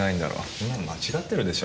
そんなの間違ってるでしょ。